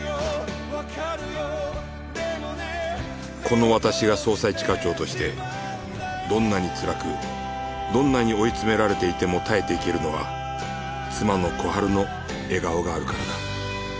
この私が捜査一課長としてどんなにつらくどんなに追い詰められていても耐えていけるのは妻の小春の笑顔があるからだ